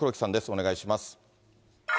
お願いします。